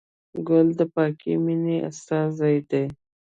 ګل د پاکې مینې استازی دی.